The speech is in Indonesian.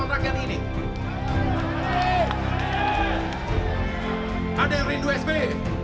ada yang rindu spw